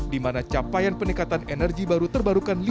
di mana capaian peningkatan energi baru terbarukan